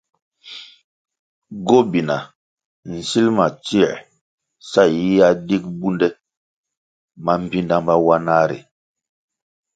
Gobina nsilʼ ma tsioē sa yiyia dig bundè mambpinda mawanah ri.